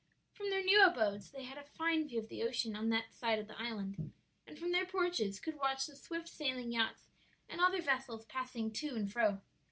From their new abodes they had a fine view of the ocean on that side of the island, and from their porches could watch the swift sailing yachts and other vessels passing to and fro.